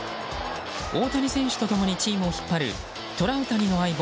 大谷選手と共にチームを引っ張るトラウタニの相棒